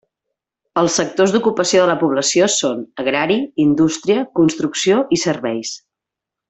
Els sectors d'ocupació de la població són: agrari, indústria, construcció i serveis.